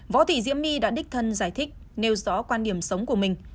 võ thị diễm my đã đích thân giải thích nêu rõ quan điểm sống của mình